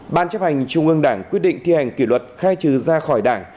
ban chấp hành trung ương đảng quyết định thi hành kỷ luật khai trừ ra khỏi đảng